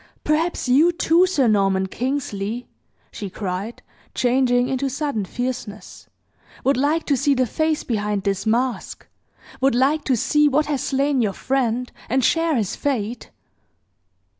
Perhaps you, too, Sir Norman Kingsley," she cried, changing into sudden fierceness, "would like to see the face behind this mask? would like to see what has slain your friend, and share his fate?"